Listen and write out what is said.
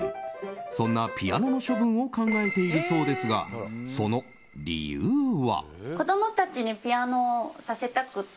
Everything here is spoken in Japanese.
そんなピアノの処分を考えているそうですがその理由は。